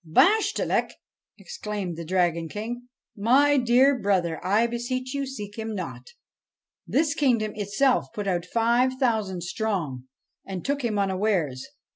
' Bashtchelik I ' exclaimed the Dragon King. ' My dear brother, I beseech you, seek him not. This kingdom itself put out five thousand strong, and took him unawares.